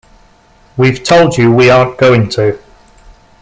We've told you we aren't going to.